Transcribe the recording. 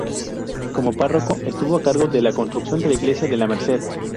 Cómo párroco, estuvo a cargo de la construcción de la iglesia de La Merced.